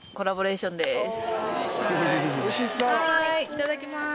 いただきます